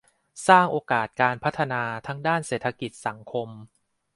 สร้างโอกาสการพัฒนาทั้งด้านเศรษฐกิจสังคม